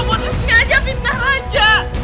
putri sengaja pindah raja